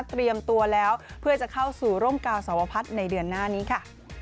เตรียมตัวแล้วเพื่อจะเข้าสู่ร่มกาวสวพัฒน์ในเดือนหน้านี้ค่ะ